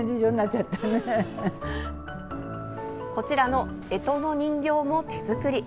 こちらの干支の人形も手作り。